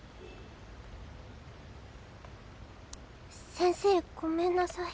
先生ごめんなさい。